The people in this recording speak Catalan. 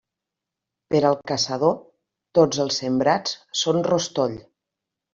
Per al caçador, tots els sembrats són rostoll.